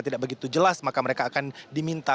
tidak begitu jelas maka mereka akan diminta